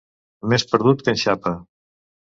Més perdut que en Xapa.